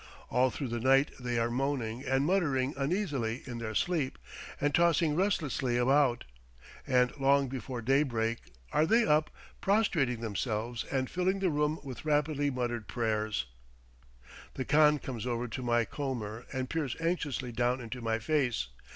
All through the night they are moaning and muttering uneasily in their sleep, and tossing restlessly about; and long before daybreak are they up, prostrating themselves and filling the room with rapidly muttered prayers, The khan comes over to my corner and peers anxiously down into my face.